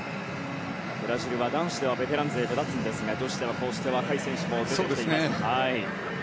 ブラジルは男子ではベテラン勢が目立つのですが女子では、こうして若い選手も出てきています。